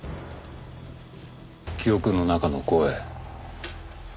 記憶の中の声。